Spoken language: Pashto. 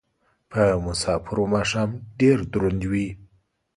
په مسافرو ماښام ډېر دروند وي